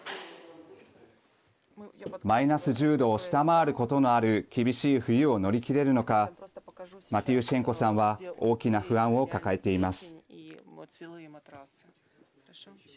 マイナス１０度を下回ることのある厳しい冬を乗り切れるのかマティウシェンコさんは大きな不安を抱えています。